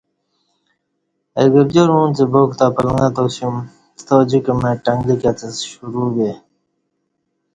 اہ گرجار اُنڅ باک تہ پلݣہ تا سیوم ستاجِک مع ٹنگلیک اڅہ ستہ شروع بے